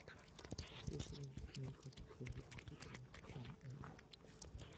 A circular snow-covered crater occupies the summit area.